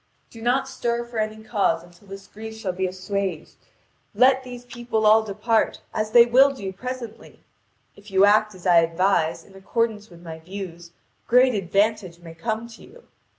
Do not stir for any cause until this grief shall be assuaged; let these people all depart, as they will do presently. If you act as I advise, in accordance with my views, great advantage may come to you.